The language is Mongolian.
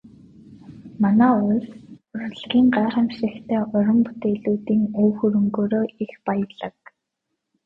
Манай улс урлагийн гайхамшигтай уран бүтээлүүдийн өв хөрөнгөөрөө их баялаг.